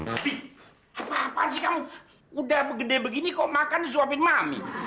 abi apa apaan sih kamu udah gede begini kok makan suapin mami